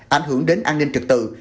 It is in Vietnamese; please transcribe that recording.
ảnh hưởng đến an ninh trực tự